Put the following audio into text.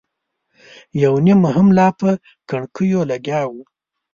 یو نيم هم لا په کړکيو لګیا و.